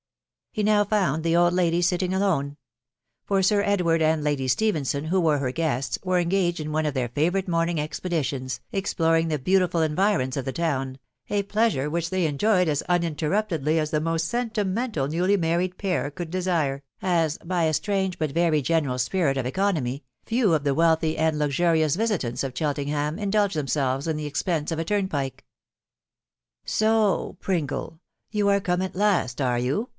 He now found the old lady sitting alone ; for Sir Edward and Lady Stephenson, who were her guests, were engaged ia one of their favourite morning expeditions, exploring the beta tiful environs of the town, a pleasure which they enjoyed at uninterruptedly as the most sentimental newly married pair could desire, as, by a strange but very general spirit of eco nomy, few of die wealthy and luxurious visitants of Chelten ham indulge themselves in the expense of a turnpike. " Soh ! Pringle .... you are come at last, are you